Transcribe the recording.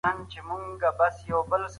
د دولت بنسټونه ورځ تر بلي کمزوري کيدل.